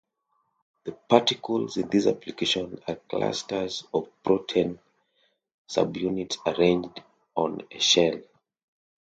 The "particles" in this application are clusters of protein subunits arranged on a shell.